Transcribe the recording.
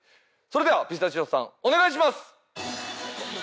それではピスタチオさんお願いします！